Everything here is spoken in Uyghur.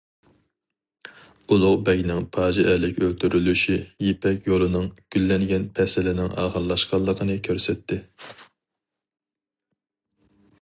ئۇلۇغبەگنىڭ پاجىئەلىك ئۆلتۈرۈلۈشى يىپەك يولىنىڭ گۈللەنگەن پەسلىنىڭ ئاخىرلاشقانلىقىنى كۆرسەتتى.